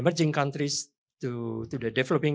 mengenai negara negara yang berkembang